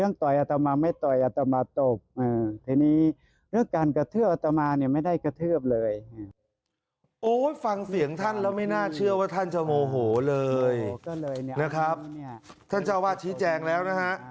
นะครับท่านเจ้าอาวาสชี้แจงแล้วนะฮะ